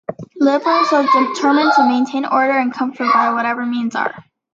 Liberals are determined to maintain order and comfort by whatever means are.